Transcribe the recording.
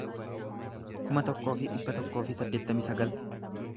kuma tokkoo fi dhibba tokkoo fi saddeettamii sagal